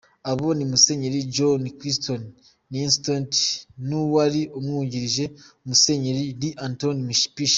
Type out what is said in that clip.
Abo ni Musenyeri John Clayton Nienstedt n’uwari umwungirije Musenyeri Lee Anthony Piché.